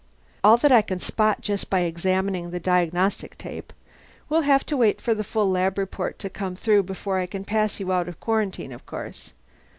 "All that I can spot just by examining the diagnostic tape. We'll have to wait for the full lab report to come through before I can pass you out of quarantine, of course."